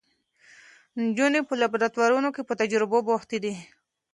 نجونې په لابراتوارونو کې په تجربو بوختې دي.